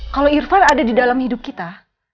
kalau irfan ada di dalam hidup kita